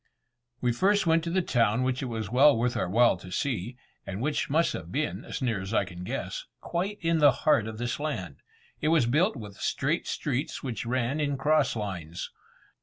We first went to a town which it was well worth our while to see, and which must have been, as near as I can guess, quite in the heart of this land. It was built with straight streets which ran in cross lines.